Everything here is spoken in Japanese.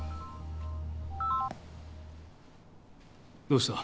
どうした？